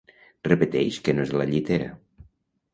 Repeteix que no és a la llitera.